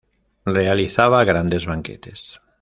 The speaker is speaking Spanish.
Realizaba grandes banquetes.